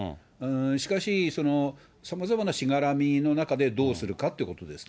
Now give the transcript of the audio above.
しかし、さまざまなしがらみの中でどうするかってことですね。